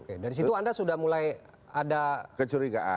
oke dari situ anda sudah mulai ada kecurigaan